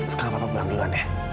sekarang papa pulang duluan ya